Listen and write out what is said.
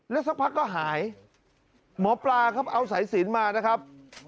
สักพักก็หายหมอปลาครับเอาสายสินมานะครับ